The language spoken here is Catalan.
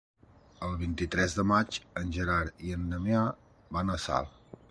El vint-i-tres de maig en Gerard i en Damià van a Salt.